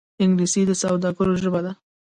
انګلیسي د سوداګرو ژبه ده